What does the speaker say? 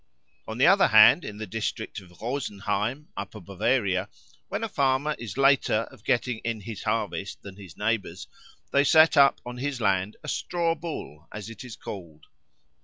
On the other hand, in the district of Rosenheim, Upper Bavaria, when a farmer is later of getting in his harvest than his neighbours, they set up on his land a Straw bull, as it is called.